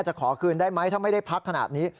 ขอคืนได้ไหมถ้าไม่ได้พักขนาดนี้